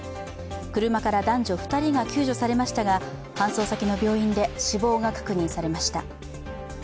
車から男女２人が救助されましたが搬送先の病院で死亡が確認されました。